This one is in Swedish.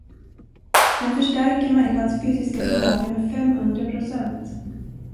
Den förstärker människans fysiska förmåga med femhundra procent.